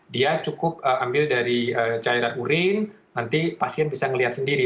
dia cukup ambil dari cairan urin nanti pasien bisa melihat sendiri